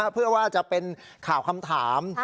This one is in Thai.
เพื่อว่าจะเป็นข่าวคำถาม